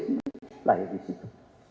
jadi lahir di situ